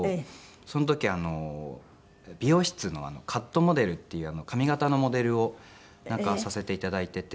その時美容室のカットモデルっていう髪形のモデルをさせて頂いていて。